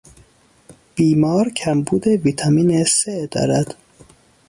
بیمار کمبود ویتامین ث دارد.